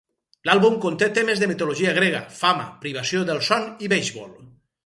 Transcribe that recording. L'àlbum conté temes de mitologia grega, fama, privació del son i beisbol.